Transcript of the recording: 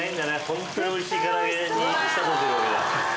ホントにおいしいから揚げに仕立ててる。